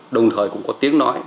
đồng thời cũng có tiếng nói